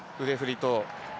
腕振り等。